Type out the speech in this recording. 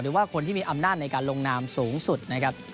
หรือว่าคนที่มีอำนาจในการลงนามสูงสุดนะครับ